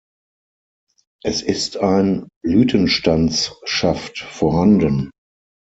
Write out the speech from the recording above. Es ist ein Blütenstandsschaft vorhanden.